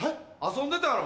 遊んでたやろ？